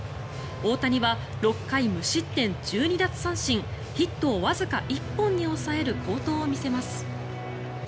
大谷は６回無失点１２奪三振ヒットをわずか１本に抑える好投を見せます。